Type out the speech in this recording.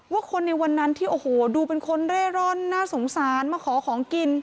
ว่าคนในวันนั้นที่โอ้โหดูเป็นคนเร่ร่อนน่าสงสารมาขอของกิน